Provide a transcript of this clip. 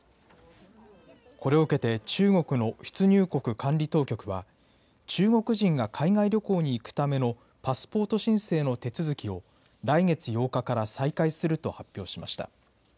これを受けて中国の出入国管理当局は、中国人が海外旅行に行くためのパスポート申請の手続きを、来月８日から再開すると発表しました。